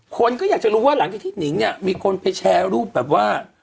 คนก็อยากจะรู้ว่าหลังจากที่หนิงเนี่ยมีคนไปแชร์รูปแบบว่า